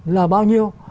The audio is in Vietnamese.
là bao nhiêu